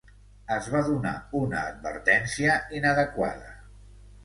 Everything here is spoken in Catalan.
Es va donar una advertència inadequada.